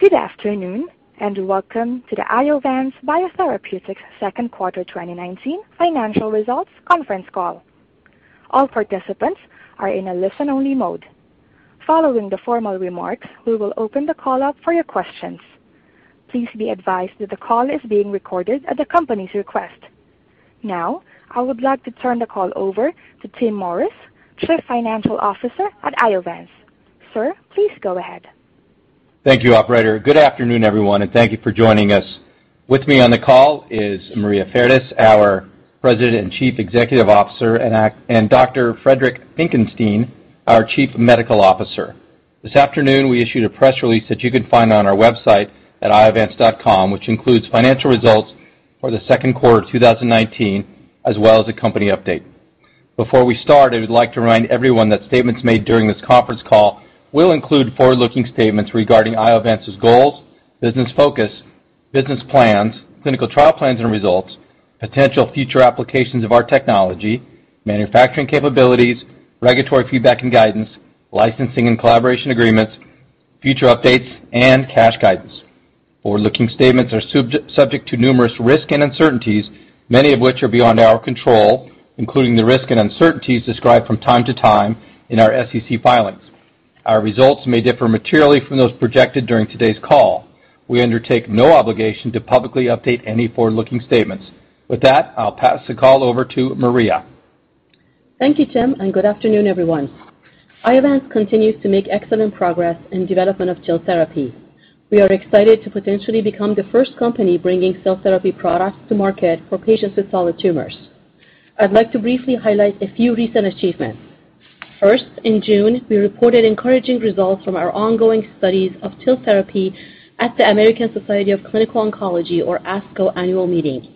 Good afternoon, welcome to the Iovance Biotherapeutics second quarter 2019 financial results conference call. All participants are in a listen-only mode. Following the formal remarks, we will open the call up for your questions. Please be advised that the call is being recorded at the company's request. I would like to turn the call over to Tim Morris, Chief Financial Officer at Iovance. Sir, please go ahead. Thank you, operator. Good afternoon, everyone, and thank you for joining us. With me on the call is Maria Fardis, our President and Chief Executive Officer, and Dr. Friedrich Finckenstein, our Chief Medical Officer. This afternoon, we issued a press release that you can find on our website at iovance.com, which includes financial results for the second quarter of 2019, as well as a company update. Before we start, I would like to remind everyone that statements made during this conference call will include forward-looking statements regarding Iovance's goals, business focus, business plans, clinical trial plans and results, potential future applications of our technology, manufacturing capabilities, regulatory feedback and guidance, licensing and collaboration agreements, future updates, and cash guidance. Forward-looking statements are subject to numerous risks and uncertainties, many of which are beyond our control, including the risks and uncertainties described from time to time in our SEC filings. Our results may differ materially from those projected during today's call. We undertake no obligation to publicly update any forward-looking statements. With that, I'll pass the call over to Maria. Thank you, Tim. Good afternoon, everyone. Iovance continues to make excellent progress in development of TIL therapy. We are excited to potentially become the first company bringing cell therapy products to market for patients with solid tumors. I'd like to briefly highlight a few recent achievements. First, in June, we reported encouraging results from our ongoing studies of TIL therapy at the American Society of Clinical Oncology, or ASCO, annual meeting.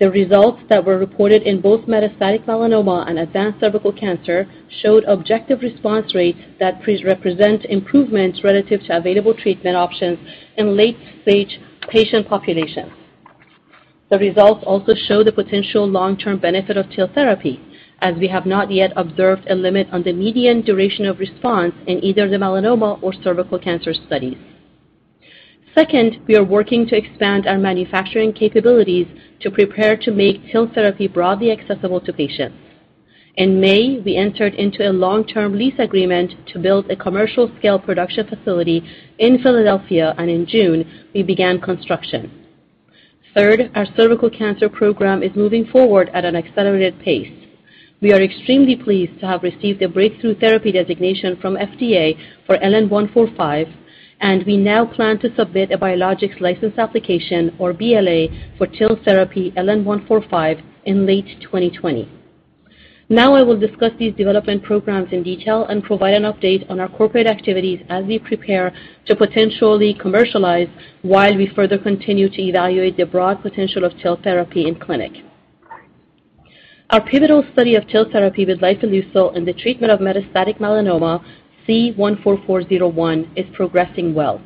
The results that were reported in both metastatic melanoma and advanced cervical cancer showed objective response rates that represent improvements relative to available treatment options in late-stage patient populations. The results also show the potential long-term benefit of TIL therapy, as we have not yet observed a limit on the median duration of response in either the melanoma or cervical cancer studies. We are working to expand our manufacturing capabilities to prepare to make TIL therapy broadly accessible to patients. In May, we entered into a long-term lease agreement to build a commercial-scale production facility in Philadelphia. In June, we began construction. Our Cervical Cancer Program is moving forward at an accelerated pace. We are extremely pleased to have received a breakthrough therapy designation from FDA for LN-145. We now plan to submit a biologics license application, or BLA, for TIL therapy LN-145 in late 2020. I will discuss these development programs in detail and provide an update on our corporate activities as we prepare to potentially commercialize while we further continue to evaluate the broad potential of TIL therapy in clinic. Our pivotal study of TIL therapy with lifileucel in the treatment of metastatic melanoma, C-144-01, is progressing well.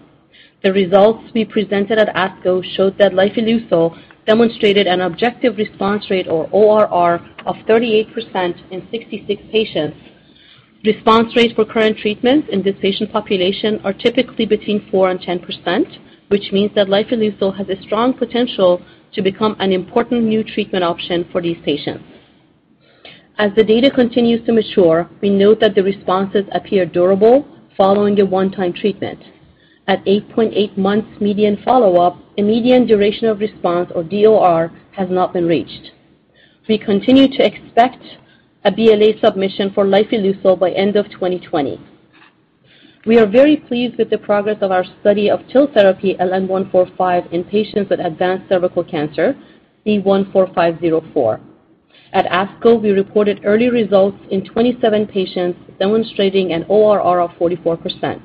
The results we presented at ASCO showed that lifileucel demonstrated an objective response rate, or ORR, of 38% in 66 patients. Response rates for current treatments in this patient population are typically between 4% and 10%, which means that lifileucel has a strong potential to become an important new treatment option for these patients. As the data continues to mature, we note that the responses appear durable following a one-time treatment. At 8.8 months median follow-up, a median duration of response, or DOR, has not been reached. We continue to expect a BLA submission for lifileucel by end of 2020. We are very pleased with the progress of our study of TIL therapy LN-145 in patients with advanced cervical cancer, C-145-04. At ASCO, we reported early results in 27 patients demonstrating an ORR of 44%.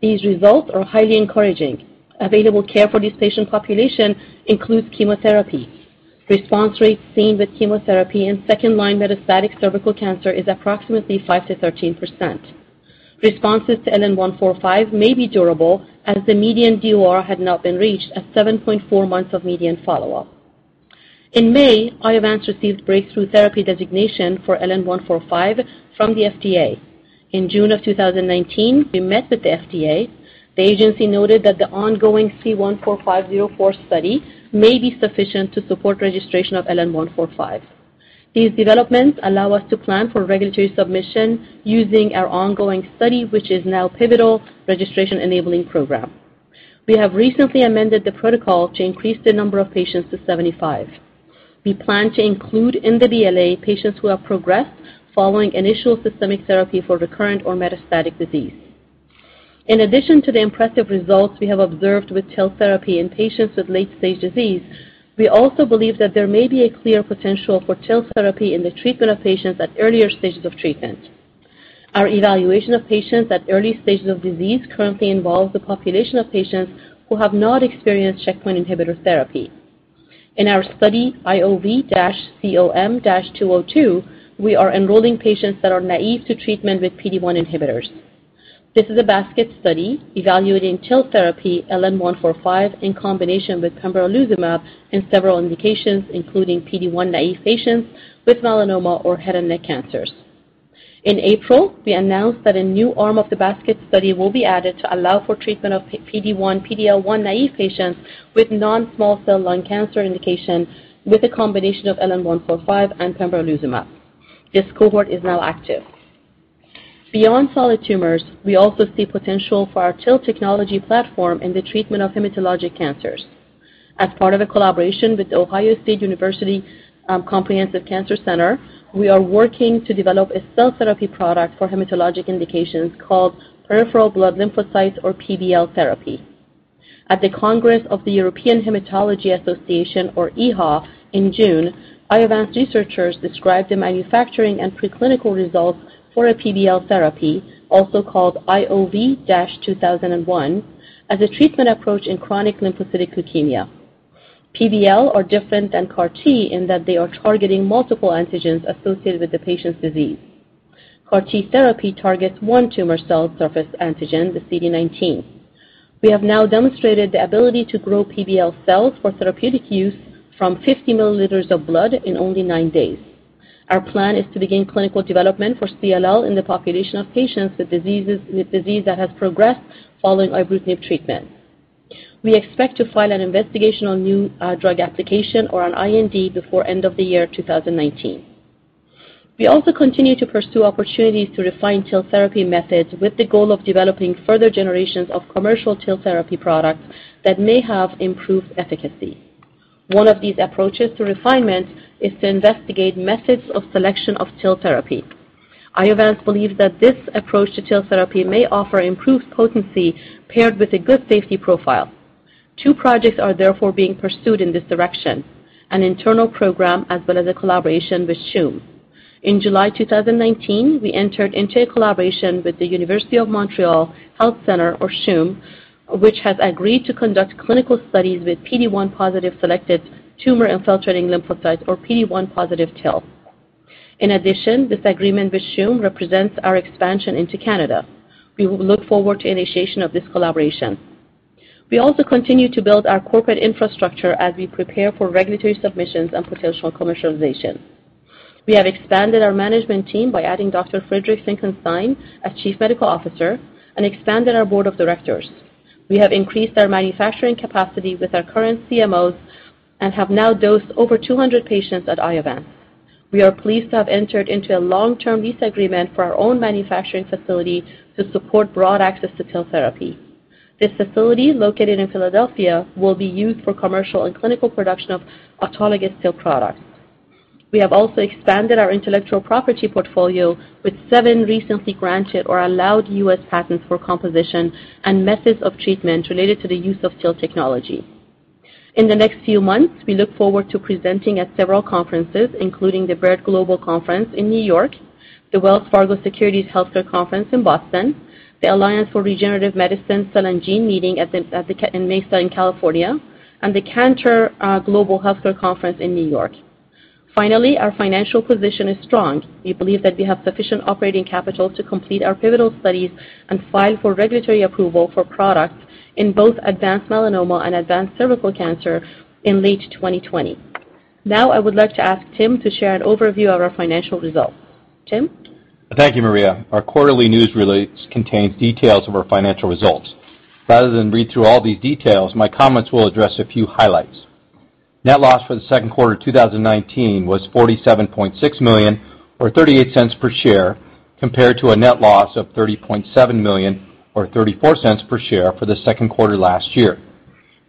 These results are highly encouraging. Available care for this patient population includes chemotherapy. Response rates seen with chemotherapy in second-line metastatic cervical cancer is approximately 5%-13%. Responses to LN-145 may be durable, as the median DOR had not been reached at 7.4 months of median follow-up. In May, Iovance received breakthrough therapy designation for LN-145 from the FDA. In June of 2019, we met with the FDA. The agency noted that the ongoing C-145-04 study may be sufficient to support registration of LN-145. These developments allow us to plan for regulatory submission using our ongoing study, which is now pivotal registration-enabling program. We have recently amended the protocol to increase the number of patients to 75. We plan to include in the BLA patients who have progressed following initial systemic therapy for recurrent or metastatic disease. In addition to the impressive results we have observed with TIL therapy in patients with late-stage disease, we also believe that there may be a clear potential for TIL therapy in the treatment of patients at earlier stages of treatment. Our evaluation of patients at early stages of disease currently involves a population of patients who have not experienced checkpoint inhibitor therapy. In our study, IOV-COM-202, we are enrolling patients that are naive to treatment with PD-1 inhibitors. This is a basket study evaluating TIL therapy LN-145 in combination with pembrolizumab in several indications, including PD-1 naive patients with melanoma or head and neck cancers. In April, we announced that a new arm of the basket study will be added to allow for treatment of PD-1/PD-L1 naive patients with non-small cell lung cancer indication with a combination of LN-145 and pembrolizumab. This cohort is now active. Beyond solid tumors, we also see potential for our TIL technology platform in the treatment of hematologic cancers. As part of a collaboration with The Ohio State University Comprehensive Cancer Center, we are working to develop a cell therapy product for hematologic indications called peripheral blood lymphocytes, or PBL therapy. At the Congress of the European Hematology Association, or EHA, in June, Iovance researchers described the manufacturing and preclinical results for a PBL therapy, also called IOV-2001, as a treatment approach in chronic lymphocytic leukemia. PBL are different than CAR T in that they are targeting multiple antigens associated with the patient's disease. CAR T therapy targets one tumor cell surface antigen, the CD19. We have now demonstrated the ability to grow PBL cells for therapeutic use from 50 milliliters of blood in only nine days. Our plan is to begin clinical development for CLL in the population of patients with disease that has progressed following ibrutinib treatment. We expect to file an investigational new drug application or an IND before end of the year 2019. We also continue to pursue opportunities to refine TIL therapy methods with the goal of developing further generations of commercial TIL therapy products that may have improved efficacy. One of these approaches to refinement is to investigate methods of selection of TIL therapy. Iovance believes that this approach to TIL therapy may offer improved potency paired with a good safety profile. Two projects are therefore being pursued in this direction, an internal program as well as a collaboration with CHUM. In July 2019, we entered into a collaboration with the University of Montreal Health Center, or CHUM, which has agreed to conduct clinical studies with PD-1 positive selected tumor-infiltrating lymphocytes, or PD-1 positive TIL. In addition, this agreement with CHUM represents our expansion into Canada. We look forward to initiation of this collaboration. We also continue to build our corporate infrastructure as we prepare for regulatory submissions and potential commercialization. We have expanded our management team by adding Dr. Friedrich Finckenstein as Chief Medical Officer and expanded our board of directors. We have increased our manufacturing capacity with our current CMOs and have now dosed over 200 patients at Iovance. We are pleased to have entered into a long-term lease agreement for our own manufacturing facility to support broad access to TIL therapy. This facility, located in Philadelphia, will be used for commercial and clinical production of autologous TIL products. We have also expanded our intellectual property portfolio with seven recently granted or allowed US patents for composition and methods of treatment related to the use of TIL technology. In the next few months, we look forward to presenting at several conferences, including the Baird Global Healthcare Conference in New York, the Wells Fargo Securities Healthcare Conference in Boston, the Alliance for Regenerative Medicine's Cell & Gene Meeting on the Mesa in Carlsbad, California, and the Cantor Global Healthcare Conference in New York. Our financial position is strong. We believe that we have sufficient operating capital to complete our pivotal studies and file for regulatory approval for products in both advanced melanoma and advanced cervical cancer in late 2020. Now, I would like to ask Tim to share an overview of our financial results. Tim? Thank you, Maria. Our quarterly news release contains details of our financial results. Rather than read through all these details, my comments will address a few highlights. Net loss for the second quarter 2019 was $47.6 million, or $0.38 per share, compared to a net loss of $30.7 million or $0.34 per share for the second quarter last year.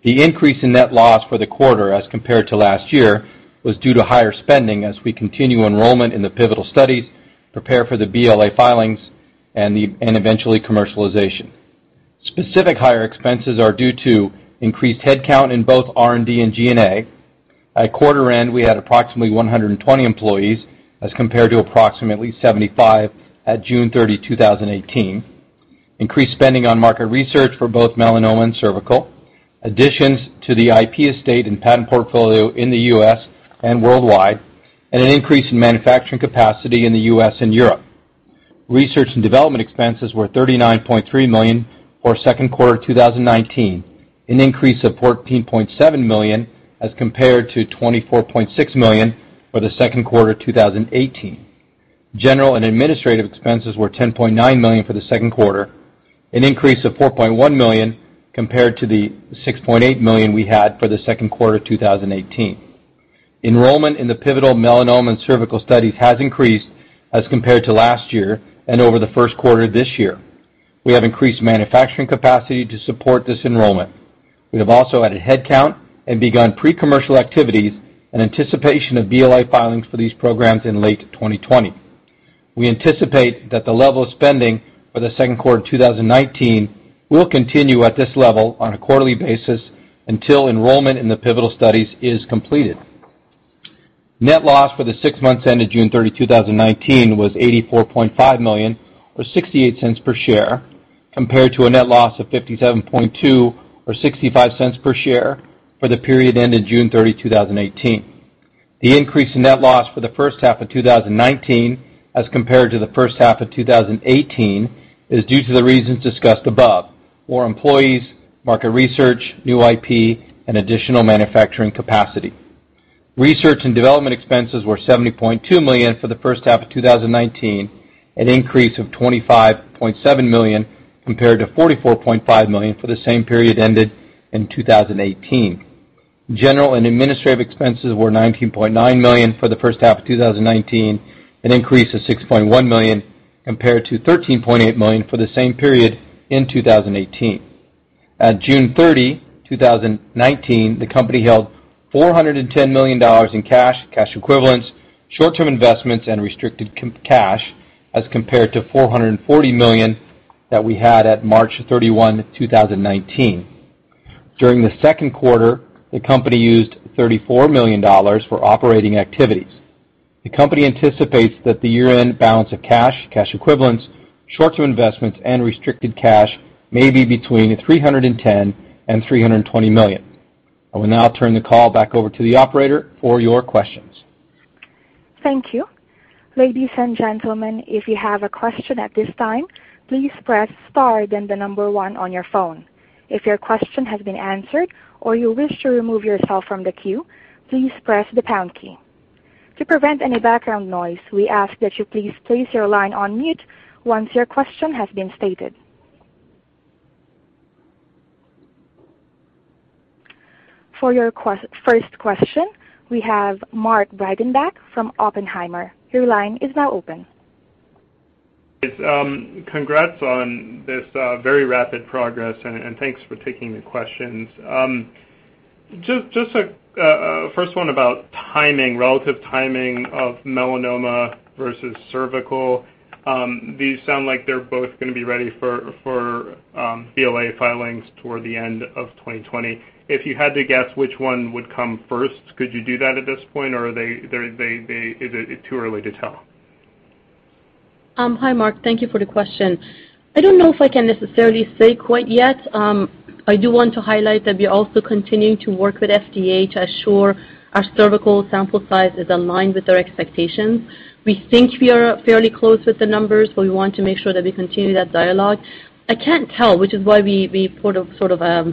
The increase in net loss for the quarter as compared to last year was due to higher spending as we continue enrollment in the pivotal studies, prepare for the BLA filings, and eventually commercialization. Specific higher expenses are due to increased headcount in both R&D and G&A. At quarter end, we had approximately 120 employees as compared to approximately 75 at June 30, 2018. Increased spending on market research for both melanoma and cervical, additions to the IP estate and patent portfolio in the U.S. and worldwide, and an increase in manufacturing capacity in the U.S. and Europe. Research and development expenses were $39.3 million for second quarter 2019, an increase of $14.7 million as compared to $24.6 million for the second quarter 2018. General and administrative expenses were $10.9 million for the second quarter, an increase of $4.1 million compared to the $6.8 million we had for the second quarter 2018. Enrollment in the pivotal melanoma and cervical studies has increased as compared to last year and over the first quarter this year. We have increased manufacturing capacity to support this enrollment. We have also added headcount and begun pre-commercial activities in anticipation of BLA filings for these programs in late 2020. We anticipate that the level of spending for the second quarter 2019 will continue at this level on a quarterly basis until enrollment in the pivotal studies is completed. Net loss for the six months ended June 30, 2019, was $84.5 million, or $0.68 per share, compared to a net loss of $57.2 or $0.65 per share for the period ended June 30, 2018. The increase in net loss for the first half of 2019 as compared to the first half of 2018 is due to the reasons discussed above: more employees, market research, new IP, and additional manufacturing capacity. Research and development expenses were $70.2 million for the first half of 2019, an increase of $25.7 million compared to $44.5 million for the same period ended in 2018. General and administrative expenses were $19.9 million for the first half of 2019, an increase of $6.1 million compared to $13.8 million for the same period in 2018. At June 30, 2019, the company held $410 million in cash equivalents, short-term investments, and restricted cash as compared to $440 million that we had at March 31, 2019. During the second quarter, the company used $34 million for operating activities. The company anticipates that the year-end balance of cash equivalents, short-term investments, and restricted cash may be between $310 million and $320 million. I will now turn the call back over to the operator for your questions. Thank you. Ladies and gentlemen, if you have a question at this time, please press star then the number one on your phone. If your question has been answered or you wish to remove yourself from the queue, please press the pound key. To prevent any background noise, we ask that you please place your line on mute once your question has been stated. For your first question, we have Mark Breidenbach from Oppenheimer. Your line is now open. Congrats on this very rapid progress, and thanks for taking the questions. Just first one about timing, relative timing of melanoma versus cervical. These sound like they're both going to be ready for BLA filings toward the end of 2020. If you had to guess which one would come first, could you do that at this point, or is it too early to tell? Hi, Mark. Thank you for the question. I don't know if I can necessarily say quite yet. I do want to highlight that we are also continuing to work with FDA to assure our cervical sample size is aligned with their expectations. We think we are fairly close with the numbers, but we want to make sure that we continue that dialogue. I can't tell, which is why we sort of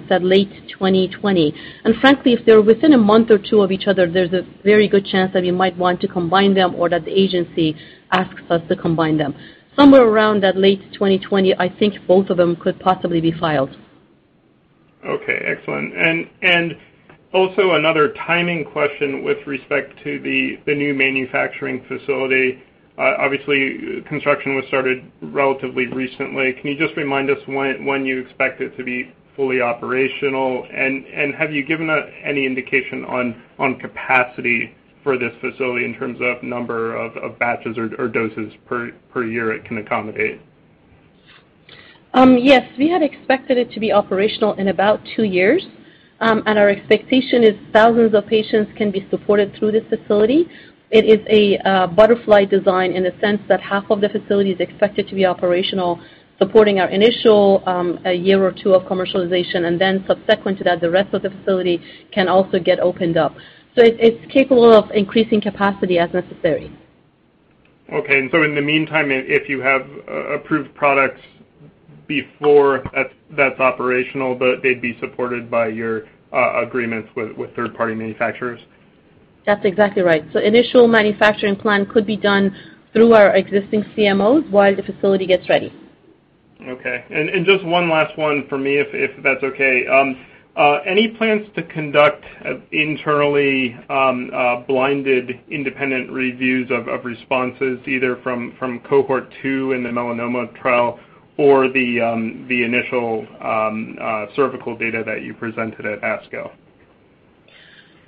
said late 2020. Frankly, if they're within a month or two of each other, there's a very good chance that we might want to combine them or that the agency asks us to combine them. Somewhere around that late 2020, I think both of them could possibly be filed. Okay, excellent. Also another timing question with respect to the new manufacturing facility. Construction was started relatively recently. Can you just remind us when you expect it to be fully operational? Have you given any indication on capacity for this facility in terms of number of batches or doses per year it can accommodate? Yes. We had expected it to be operational in about two years. Our expectation is thousands of patients can be supported through this facility. It is a butterfly design in a sense that half of the facility is expected to be operational, supporting our initial year or two of commercialization. Then subsequent to that, the rest of the facility can also get opened up. It's capable of increasing capacity as necessary. Okay. In the meantime, if you have approved products before that's operational, they'd be supported by your agreements with third-party manufacturers? That's exactly right. Initial manufacturing plan could be done through our existing CMOs while the facility gets ready. Okay. Just one last one for me, if that's okay. Any plans to conduct internally blinded independent reviews of responses, either from Cohort 2 in the melanoma trial or the initial cervical data that you presented at ASCO?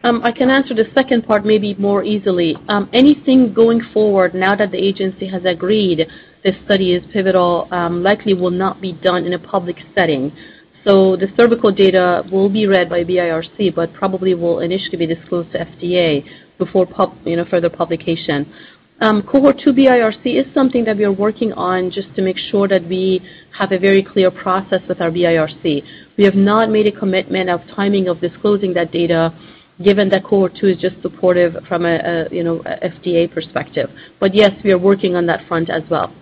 I can answer the second part maybe more easily. Anything going forward now that the agency has agreed this study is pivotal likely will not be done in a public setting. The cervical data will be read by BIRC, but probably will initially be disclosed to FDA before further publication. Cohort 2 BIRC is something that we are working on just to make sure that we have a very clear process with our BIRC. We have not made a commitment of timing of disclosing that data, given that Cohort 2 is just supportive from an FDA perspective. Yes, we are working on that front as well.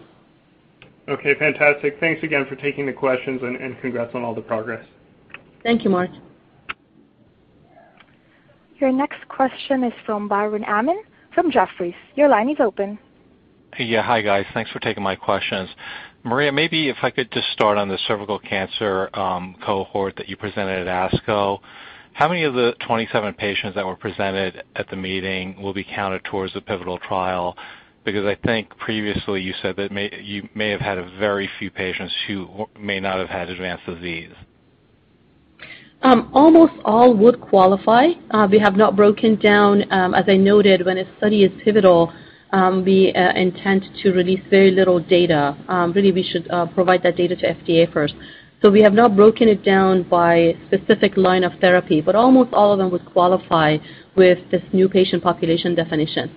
Okay, fantastic. Thanks again for taking the questions, and congrats on all the progress. Thank you, Mark. Your next question is from Biren Amin from Jefferies. Your line is open. Hi, guys. Thanks for taking my questions. Maria, maybe if I could just start on the cervical cancer cohort that you presented at ASCO. How many of the 27 patients that were presented at the meeting will be counted towards the pivotal trial? I think previously you said that you may have had very few patients who may not have had advanced disease. Almost all would qualify. We have not broken down, as I noted, when a study is pivotal, we intend to release very little data. Really, we should provide that data to FDA first. We have not broken it down by specific line of therapy, but almost all of them would qualify with this new patient population definition.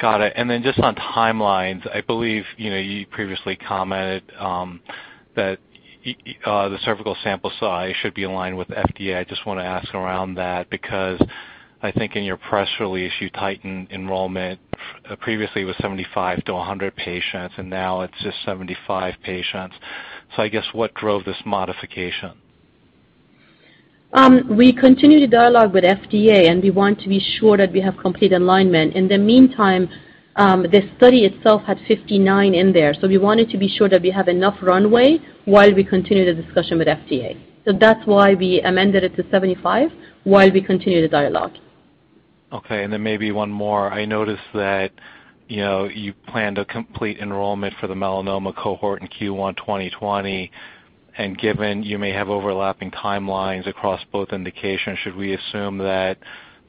Got it. Just on timelines, I believe you previously commented that the cervical sample size should be aligned with FDA. I just want to ask around that because I think in your press release, you tightened enrollment. Previously, it was 75-100 patients, and now it is just 75 patients. I guess what drove this modification? We continue to dialogue with FDA, and we want to be sure that we have complete alignment. In the meantime, the study itself had 59 in there, so we wanted to be sure that we have enough runway while we continue the discussion with FDA. That's why we amended it to 75, while we continue the dialogue. Okay. Maybe one more. I noticed that you planned a complete enrollment for the melanoma cohort in Q1 2020, and given you may have overlapping timelines across both indications, should we assume that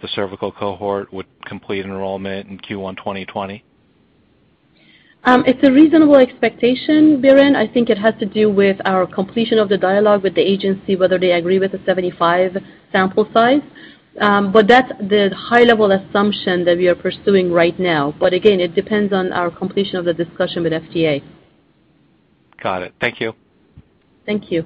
the cervical cohort would complete enrollment in Q1 2020? It's a reasonable expectation, Biren. I think it has to do with our completion of the dialogue with the agency, whether they agree with the 75 sample size. That's the high-level assumption that we are pursuing right now. Again, it depends on our completion of the discussion with FDA. Got it. Thank you. Thank you.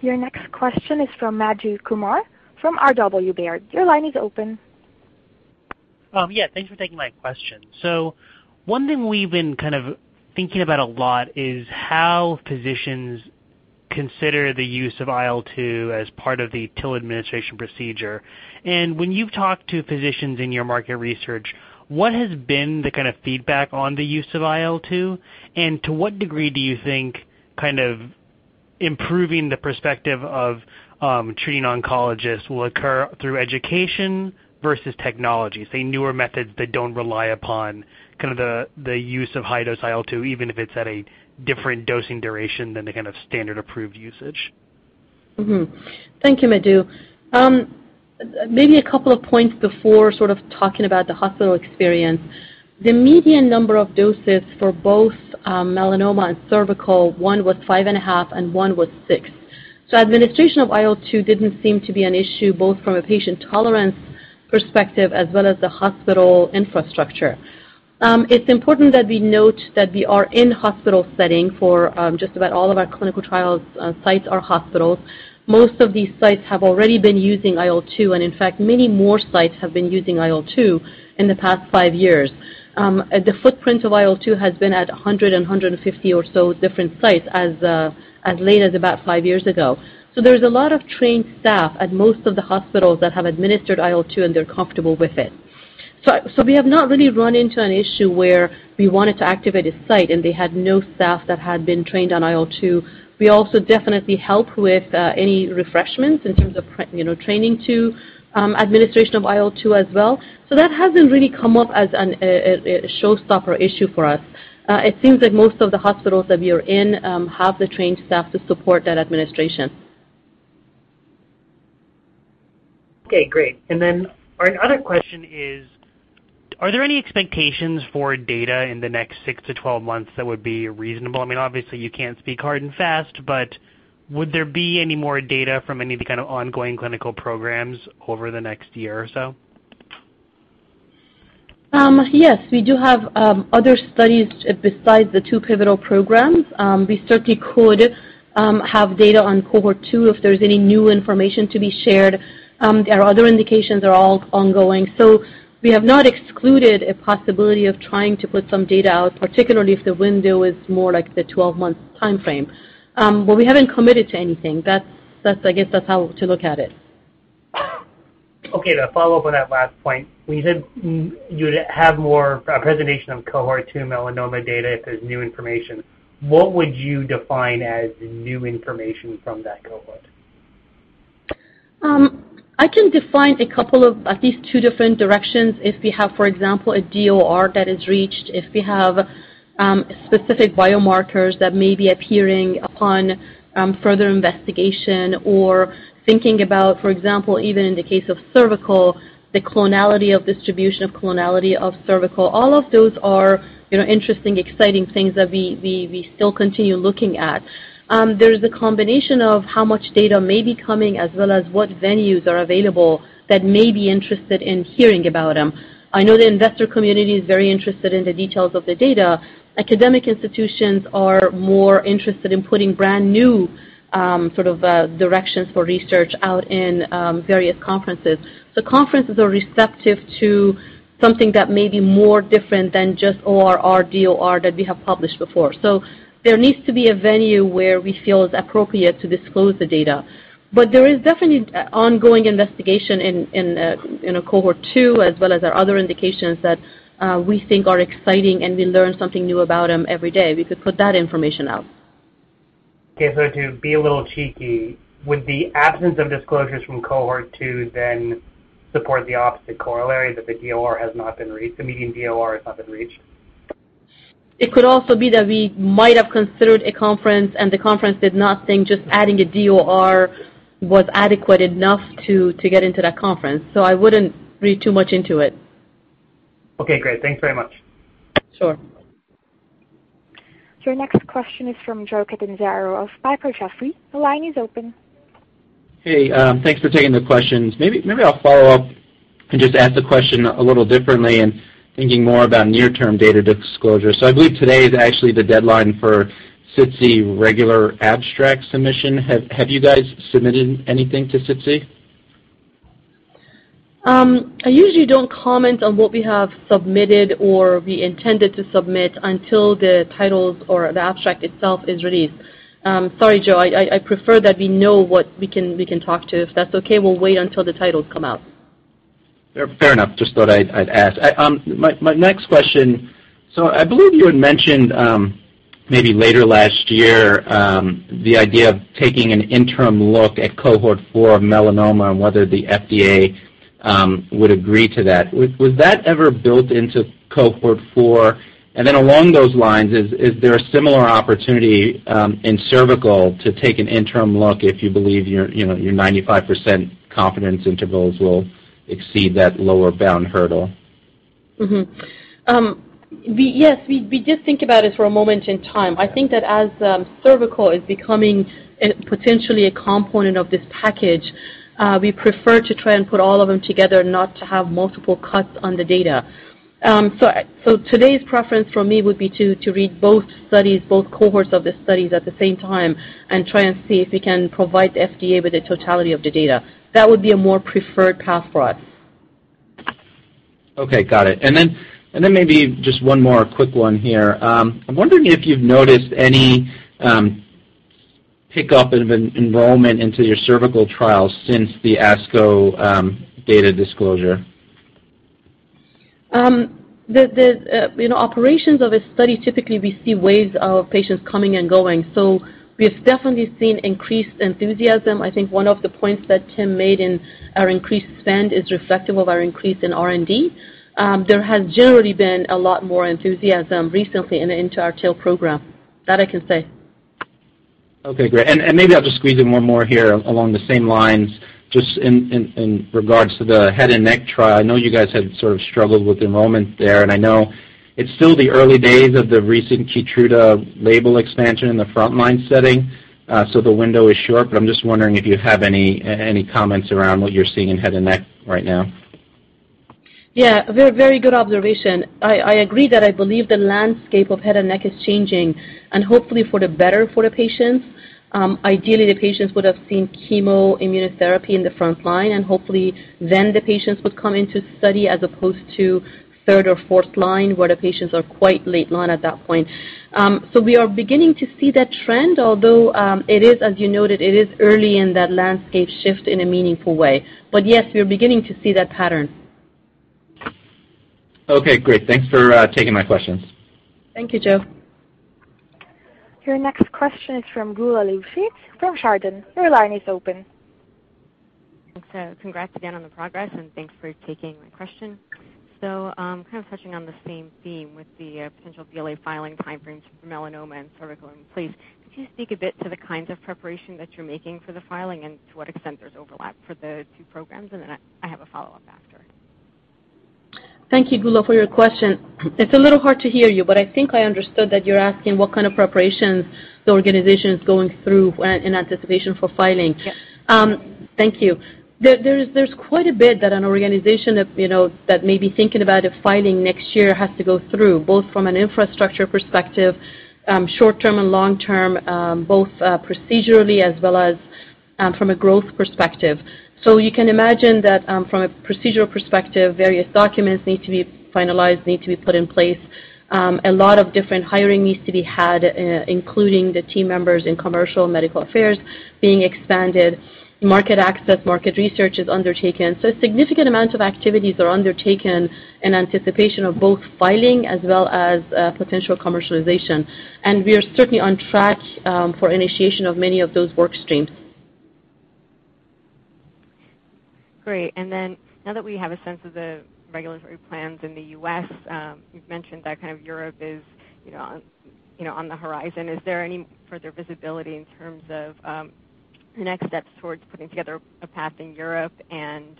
Your next question is from Madhu Kumar from R.W. Baird. Your line is open. Yeah, thanks for taking my question. One thing we've been kind of thinking about a lot is how physicians consider the use of IL-2 as part of the TIL administration procedure. When you've talked to physicians in your market research, what has been the kind of feedback on the use of IL-2, and to what degree do you think improving the perspective of treating oncologists will occur through education versus technology? Say, newer methods that don't rely upon the use of high-dose IL-2, even if it's at a different dosing duration than the kind of standard approved usage. Thank you, Madhu. Maybe a couple of points before sort of talking about the hospital experience. The median number of doses for both melanoma and cervical, one was five and a half, and one was six. Administration of IL-2 didn't seem to be an issue, both from a patient tolerance perspective as well as the hospital infrastructure. It's important that we note that we are in hospital setting for just about all of our clinical trials sites or hospitals. Most of these sites have already been using IL-2, and in fact, many more sites have been using IL-2 in the past five years. The footprint of IL-2 has been at 100 and 150 or so different sites as late as about five years ago. There's a lot of trained staff at most of the hospitals that have administered IL-2, and they're comfortable with it. We have not really run into an issue where we wanted to activate a site, and they had no staff that had been trained on IL-2. We also definitely help with any refreshments in terms of training too, administration of IL-2 as well. That hasn't really come up as a showstopper issue for us. It seems that most of the hospitals that we are in have the trained staff to support that administration. Okay, great. Our other question is, are there any expectations for data in the next 6 to 12 months that would be reasonable? I mean, obviously, you can't speak hard and fast, would there be any more data from any of the kind of ongoing clinical programs over the next year or so? Yes, we do have other studies besides the 2 pivotal programs. We certainly could have data on cohort 2 if there's any new information to be shared. Our other indications are all ongoing. We have not excluded a possibility of trying to put some data out, particularly if the window is more like the 12-month timeframe. We haven't committed to anything. I guess, that's how to look at it. Okay, to follow up on that last point, when you said you would have more presentation of cohort 2 melanoma data if there's new information, what would you define as new information from that cohort? I can define a couple of at least two different directions. If we have, for example, a DOR that is reached, if we have specific biomarkers that may be appearing upon further investigation or thinking about, for example, even in the case of cervical, the clonality of distribution of cervical. All of those are interesting, exciting things that we still continue looking at. There's a combination of how much data may be coming, as well as what venues are available that may be interested in hearing about them. I know the investor community is very interested in the details of the data. Academic institutions are more interested in putting brand new directions for research out in various conferences. Conferences are receptive to something that may be more different than just ORR/DOR that we have published before. There needs to be a venue where we feel is appropriate to disclose the data. There is definitely ongoing investigation in cohort 2, as well as our other indications that we think are exciting, and we learn something new about them every day. We could put that information out. Okay. To be a little cheeky, would the absence of disclosures from cohort two then support the opposite corollary that the median DOR has not been reached? It could also be that we might have considered a conference, and the conference did not think just adding a DOR was adequate enough to get into that conference. I wouldn't read too much into it. Okay, great. Thanks very much. Sure. Your next question is from Joe Catanzaro of Piper Jaffray. The line is open. Hey, thanks for taking the questions. Maybe I'll follow up and just ask the question a little differently and thinking more about near-term data disclosure. I believe today is actually the deadline for SITC regular abstract submission. Have you guys submitted anything to SITC? I usually don't comment on what we have submitted or we intended to submit until the titles or the abstract itself is released. Sorry, Joe, I prefer that we know what we can talk to, if that's okay, we'll wait until the titles come out. Fair enough. Just thought I'd ask. My next question, so I believe you had mentioned, maybe later last year, the idea of taking an interim look at cohort 4 of melanoma and whether the FDA would agree to that. Was that ever built into cohort 4? Along those lines, is there a similar opportunity in cervical to take an interim look if you believe your 95% confidence intervals will exceed that lower bound hurdle? Yes, we did think about it for a moment in time. I think that as cervical is becoming potentially a component of this package, we prefer to try and put all of them together, not to have multiple cuts on the data. Today's preference from me would be to read both studies, both cohorts of the studies at the same time, and try and see if we can provide the FDA with the totality of the data. That would be a more preferred path for us. Okay, got it. Maybe just one more quick one here. I'm wondering if you've noticed any pickup of enrollment into your cervical trial since the ASCO data disclosure. In operations of a study, typically we see waves of patients coming and going. We've definitely seen increased enthusiasm. I think one of the points that Tim made in our increased spend is reflective of our increase in R&D. There has generally been a lot more enthusiasm recently into our TIL program. That I can say. Okay, great. Maybe I'll just squeeze in one more here along the same lines. Just in regards to the head and neck trial. I know you guys had sort of struggled with enrollment there, and I know it's still the early days of the recent KEYTRUDA label expansion in the frontline setting, so the window is short, but I'm just wondering if you have any comments around what you're seeing in head and neck right now. Yeah. A very good observation. I agree that I believe the landscape of head and neck is changing, and hopefully for the better for the patients. Ideally, the patients would have seen chemoimmunotherapy in the front line, and hopefully then the patients would come into the study as opposed to third or fourth line, where the patients are quite late line at that point. We are beginning to see that trend, although it is, as you noted, it is early in that landscape shift in a meaningful way. Yes, we are beginning to see that pattern. Okay, great. Thanks for taking my questions. Thank you, Joe. Your next question is from Geulah Livshits from Chardan. Your line is open. Congrats again on the progress, and thanks for taking my question. Kind of touching on the same theme with the potential BLA filing timeframes for melanoma and cervical in place. Could you speak a bit to the kinds of preparation that you're making for the filing and to what extent there's overlap for the two programs? I have a follow-up after. Thank you, Geulah, for your question. It's a little hard to hear you, but I think I understood that you're asking what kind of preparations the organization is going through in anticipation for filing. Yes. Thank you. There's quite a bit that an organization that may be thinking about a filing next year has to go through, both from an infrastructure perspective, short-term and long-term, both procedurally as well as from a growth perspective. You can imagine that from a procedural perspective, various documents need to be finalized, need to be put in place. A lot of different hiring needs to be had, including the team members in commercial medical affairs being expanded. Market access, market research is undertaken. A significant amount of activities are undertaken in anticipation of both filing as well as potential commercialization. We are certainly on track for initiation of many of those work streams. Great. Now that we have a sense of the regulatory plans in the U.S., you've mentioned that kind of Europe is on the horizon. Is there any further visibility in terms of next steps towards putting together a path in Europe and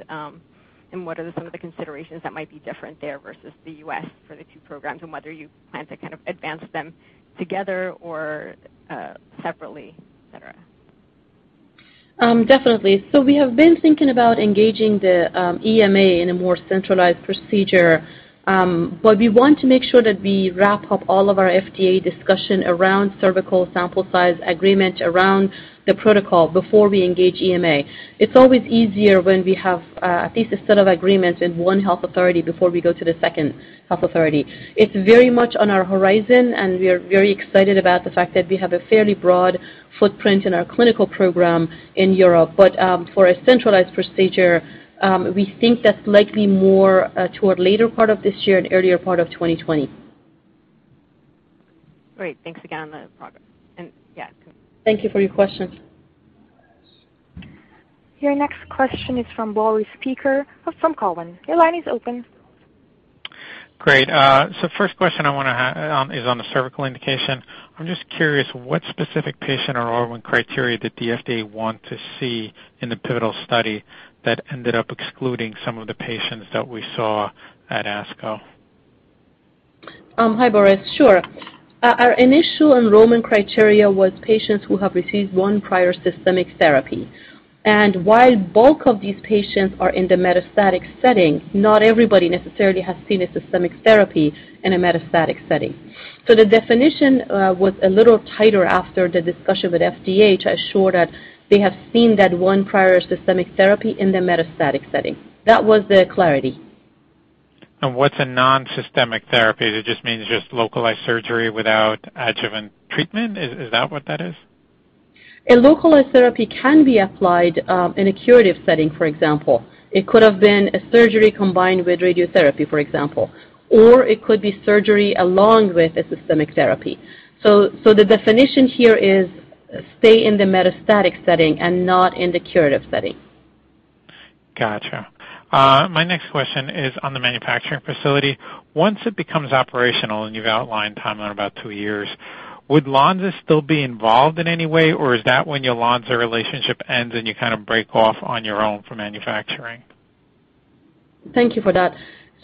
what are some of the considerations that might be different there versus the U.S. for the two programs and whether you plan to kind of advance them together or separately, et cetera? Definitely. We have been thinking about engaging the EMA in a more centralized procedure. We want to make sure that we wrap up all of our FDA discussion around cervical sample size agreement around the protocol before we engage EMA. It's always easier when we have at least a set of agreements in one health authority before we go to the second health authority. It's very much on our horizon, and we are very excited about the fact that we have a fairly broad footprint in our clinical program in Europe. For a centralized procedure, we think that's likely more toward later part of this year and earlier part of 2020. Great. Thanks again on the progress. Yeah. Thank you for your question. Your next question is from Boris Peaker of TD Cowen. Your line is open. Great. First question I want to is on the cervical indication. I'm just curious what specific patient enrollment criteria did the FDA want to see in the pivotal study that ended up excluding some of the patients that we saw at ASCO? Hi, Boris. Sure. Our initial enrollment criteria was patients who have received one prior systemic therapy. While bulk of these patients are in the metastatic setting, not everybody necessarily has seen a systemic therapy in a metastatic setting. The definition was a little tighter after the discussion with FDA to assure that they have seen that one prior systemic therapy in the metastatic setting. That was the clarity. What's a non-systemic therapy? Does it just mean just localized surgery without adjuvant treatment? Is that what that is? A localized therapy can be applied in a curative setting, for example. It could have been a surgery combined with radiotherapy, for example. It could be surgery along with a systemic therapy. The definition here is stay in the metastatic setting and not in the curative setting. Gotcha. My next question is on the manufacturing facility. Once it becomes operational, and you've outlined timeline about two years, would Lonza still be involved in any way, or is that when your Lonza relationship ends and you kind of break off on your own for manufacturing? Thank you for that.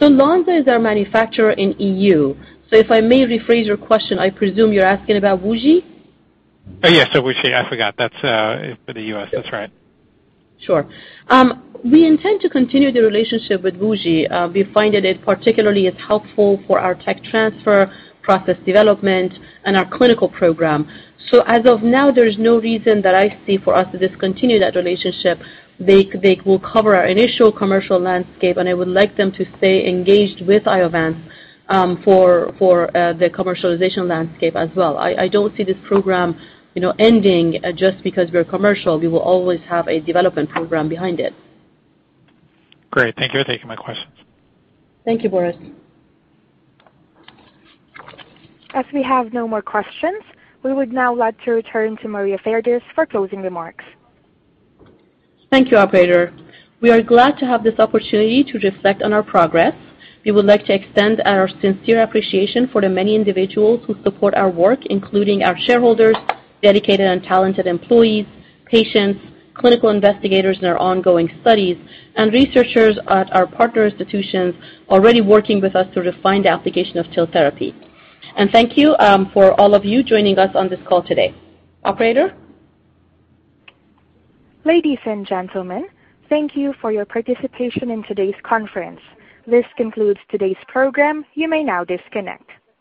Lonza is our manufacturer in EU. If I may rephrase your question, I presume you're asking about WuXi? Yes, WuXi. I forgot. That's for the U.S. That's right. Sure. We intend to continue the relationship with WuXi. We find that it particularly is helpful for our tech transfer, process development, and our clinical program. As of now, there's no reason that I see for us to discontinue that relationship. They will cover our initial commercial landscape, and I would like them to stay engaged with Iovance for the commercialization landscape as well. I don't see this program ending just because we're commercial. We will always have a development program behind it. Great. Thank you for taking my questions. Thank you, Boris. As we have no more questions, we would now like to return to Maria Fardis for closing remarks. Thank you, operator. We are glad to have this opportunity to reflect on our progress. We would like to extend our sincere appreciation for the many individuals who support our work, including our shareholders, dedicated and talented employees, patients, clinical investigators in our ongoing studies, and researchers at our partner institutions already working with us to refine the application of TIL therapy. Thank you for all of you joining us on this call today. Operator? Ladies and gentlemen, thank you for your participation in today's conference. This concludes today's program. You may now disconnect.